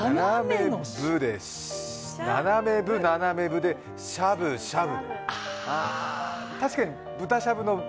斜めぶ、斜めぶでしゃぶしゃぶ。